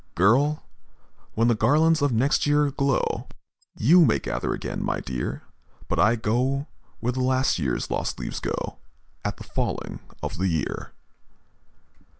Girl! when the garlands of next year glow, YOU may gather again, my dear But I go where the last year's lost leaves go At the falling of the year."